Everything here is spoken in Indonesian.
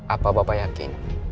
apa bapak yakin